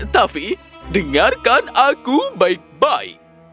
tapi dengarkan aku baik baik